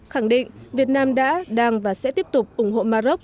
khẳng định việt nam đã đang và sẽ tiếp tục ủng hộ mà rốc